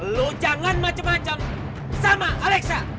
lu jangan macem macem sama alexa